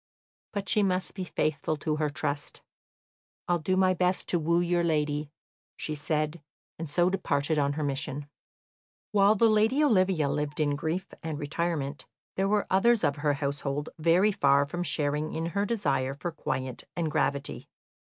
But she must be faithful to her trust. "I'll do my best to woo your lady," she said, and so departed on her mission. While the lady Olivia lived in grief and retirement, there were others of her household very far from sharing in her desire for quiet and gravity.